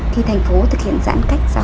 khi thành phố thực hiện giãn cách xã hội